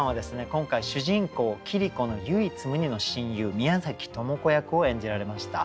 今回主人公桐子の唯一無二の親友宮崎知子役を演じられました。